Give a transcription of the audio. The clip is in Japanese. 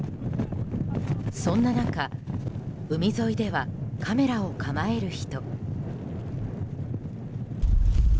そんな中、海沿いではカメラを構える人。